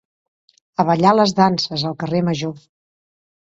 A ballar les danses, al carrer Major.